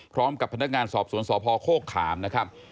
พร้อมกับพนักงานสอบสวนสพโคกขามนะครับ